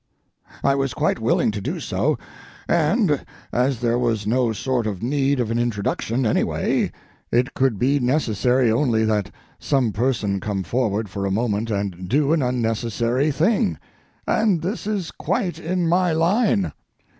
I was quite willing to do so, and, as there was no sort of need of an introduction, anyway, it could be necessary only that some person come forward for a moment and do an unnecessary thing, and this is quite in my line.